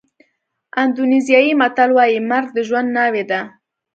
اندونېزیایي متل وایي مرګ د ژوند ناوې ده.